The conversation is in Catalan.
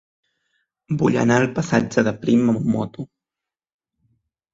Vull anar al passatge de Prim amb moto.